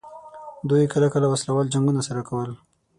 دوی کله کله وسله وال جنګونه سره کول.